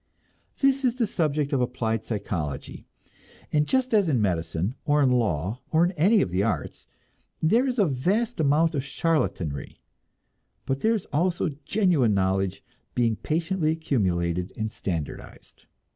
This is the subject of applied psychology, and just as in medicine, or in law, or in any of the arts, there is a vast amount of charlatanry, but there is also genuine knowledge being patiently accumulated and standardized.